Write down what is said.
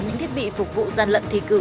những thiết bị phục vụ gian lận thi cử